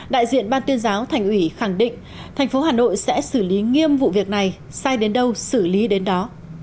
đại diện ban tuyên giáo thành ủy khẳng định thành phố hà nội sẽ xử lý nghiêm vụ việc này sai đến đâu xử lý đến đó